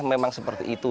memang seperti itu